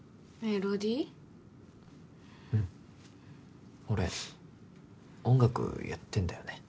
うん俺音楽やってんだよね